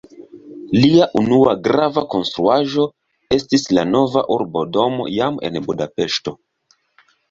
Lia unua grava konstruaĵo estis la nova urbodomo jam en Budapeŝto.